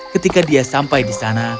ketika dia sampai di sana